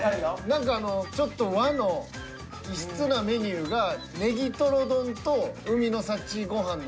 何かあのちょっと和の異質なメニューがねぎとろ丼と海の幸ごはんなんですね。